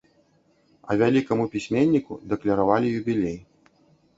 А вялікаму пісьменніку дакляравалі юбілей.